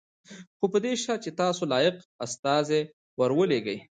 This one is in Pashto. خو په دې شرط چې تاسو لایق استازی ور ولېږئ.